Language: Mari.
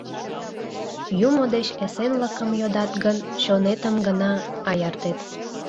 Юмо деч эсенлыкым йодат гын, чонетым гына аяртет.